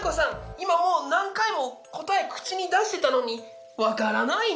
今もう何回も答え口に出してたのに分からないの？